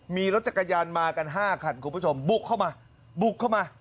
มีรถจักรยานมากัน๕คันคุณผู้ชมบุกเข้ามาบุกเข้ามา